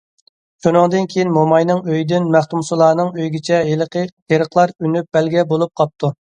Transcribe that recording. شۇنىڭدىن كېيىن موماينىڭ ئۆيىدىن مەختۇمسۇلانىڭ ئۆيىگىچە ھېلىقى تېرىقلار ئۈنۈپ بەلگە بولۇپ قاپتۇ.